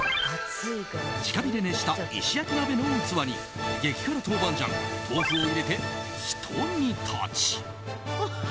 直火で熱した石焼き鍋の器に激辛豆板醤、豆腐を入れてひと煮立ち。